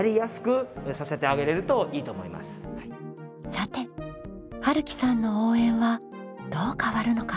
さてはるきさんの応援はどう変わるのか？